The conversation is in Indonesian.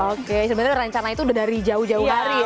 oke sebenarnya rencana itu udah dari jauh jauh hari ya